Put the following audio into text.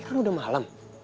ini kan udah malem